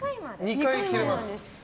２回切れます。